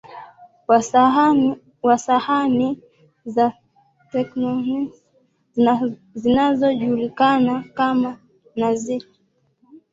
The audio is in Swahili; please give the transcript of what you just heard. wa sahani za tectonic zinazojulikana kama Nazca